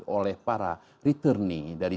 oleh para returnee dari